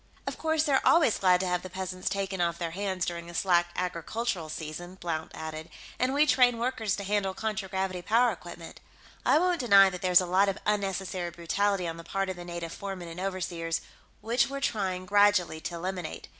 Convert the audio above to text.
"Of course, they're always glad to have the peasants taken off their hands during a slack agricultural season," Blount added, "and we train workers to handle contragravity power equipment. I won't deny that there's a lot of unnecessary brutality on the part of the native foremen and overseers, which we're trying, gradually, to eliminate.